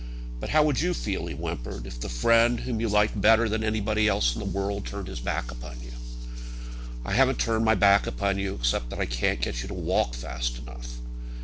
"But how would you feel," he whimpered, "if the friend whom you liked better than anybody else in the world, turned his back upon you?" "I haven't turned my back upon you; except that I can't get you to walk fast enough.